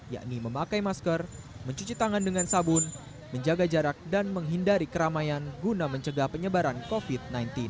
yakni memakai masker mencuci tangan dengan sabun menjaga jarak dan menghindari keramaian guna mencegah penyebaran covid sembilan belas